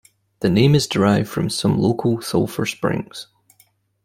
The name is derived from some local sulfur springs.